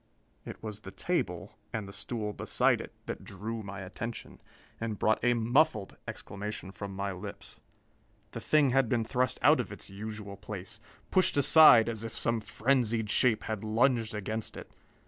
It was the table, and the stool beside it, that drew my attention and brought a muffled exclamation from my lips. The thing had been thrust out of its usual place, pushed aside as if some frenzied shape had lunged against it.